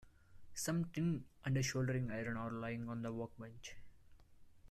Some tin and a soldering iron are laying on the workbench.